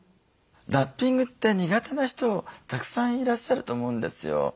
ラッピングって苦手な人たくさんいらっしゃると思うんですよ。